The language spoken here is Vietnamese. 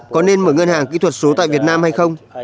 có nên mở ngân hàng kỹ thuật số tại việt nam hay không